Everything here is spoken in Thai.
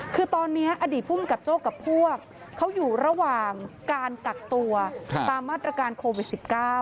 คือตอนนี้อดีตภูมิกับโจ้กับพวกเขาอยู่ระหว่างการกักตัวตามมาตรการโควิด๑๙